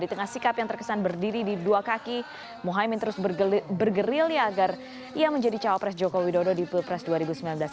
di tengah sikap yang terkesan berdiri di dua kaki muhaymin terus bergerilya agar ia menjadi cawapres jokowi dodo di pilpres dua ribu sembilan belas